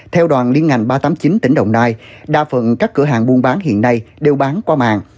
theo đoàn liên ngành ba trăm tám mươi chín tỉnh đồng nai đa phần các cửa hàng buôn bán hiện nay đều bán qua mạng